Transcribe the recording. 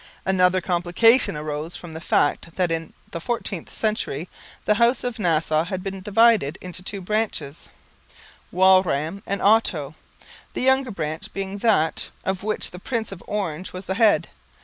Another complication arose from the fact that in the 14th century the House of Nassau had been divided into two branches, Walram and Otto, the younger branch being that of which the Prince of Orange was the head.